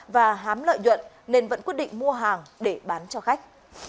và hám lợi nhuận nên vẫn quyết định mua hàng để bán cho khách